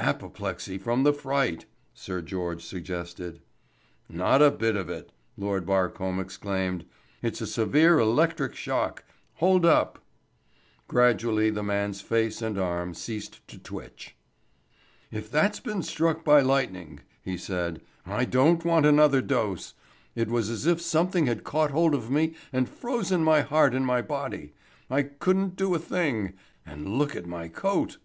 "Apoplexy from the fright," Sir George suggested. "Not a bit of it," Lord Barcombe exclaimed, "It's a severe electric shock. Hold up." Gradually the man's face and arm ceased to twitch. "If that's being struck by lightning," he said, "I don't want another dose. It was as if something had caught hold of me and frozen my heart in my body. I couldn't do a thing. And look at my coat."